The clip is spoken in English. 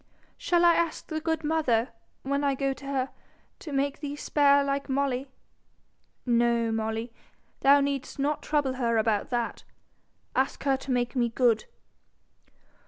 'Shall I ask the good mother, when I go to her, to make thee spare like Molly?' 'No, Molly, thou need'st not trouble her about that. Ask her to make me good.'